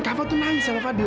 kava tuh nangis sama fadul